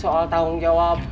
soal tanggung jawab